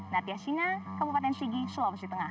natiasina kabupaten sigi sulawesi tengah